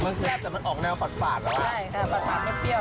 มันแซ่บแต่มันออกแนวฝาดฝาดแล้วใช่ค่ะฝาดไม่เปรี้ยว